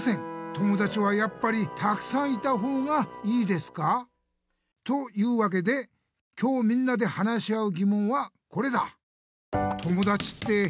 友だちはやっぱりたくさんいたほうがいいですか？」。というわけで今日みんなで話し合うぎもんはこれだ！